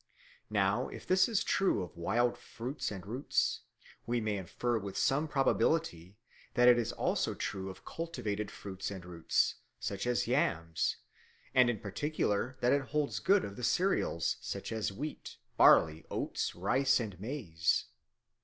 Now if this is true of wild fruits and roots, we may infer with some probability that it is also true of cultivated fruits and roots, such as yams, and in particular that it holds good of the cereals, such as wheat, barley, oats, rice, and maize.